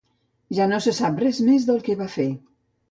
Ja no se sap res més del que va fer.